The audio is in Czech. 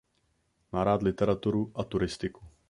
Má rád literaturu a turistiku.